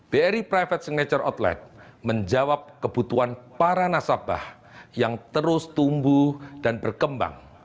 bri private signature outlet menjawab kebutuhan para nasabah yang terus tumbuh dan berkembang